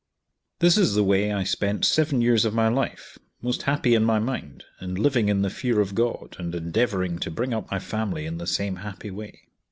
This is the way I spent seven years of my life, most happy in my mind, and living in the fear of God, and endeavoring to bring up my family in the same happy way.